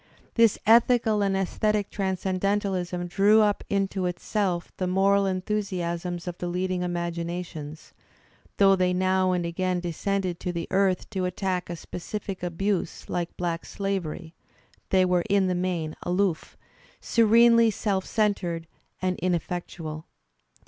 This ethical and aesthetic transcendentalism drew up into itself the moral enthusiasms of the leading imaginations; though they now and again descended to the earth to attack a specific abuse like black slavery they were in the main aloof, serenely self centred and ineffectual.